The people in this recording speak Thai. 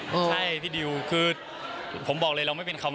ใช่พี่ดิวคือผมบอกเลยเราไม่เป็นคำว่า